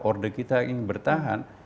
order kita yang bertahan